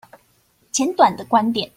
簡短的觀點